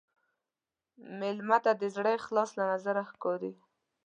مېلمه ته د زړه اخلاص له نظره ښکاري.